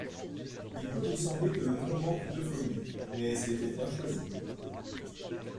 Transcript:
Il peut vous sembler que le nom manque d'euphonie, mais il était bien choisi.